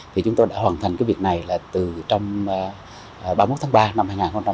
thì chúng tôi đã hoàn thành việc này từ ba mươi một tháng ba năm hai nghìn hai mươi bốn